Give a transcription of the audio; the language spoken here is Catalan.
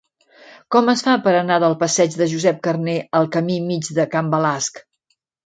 Com es fa per anar del passeig de Josep Carner al camí Mig de Can Balasc?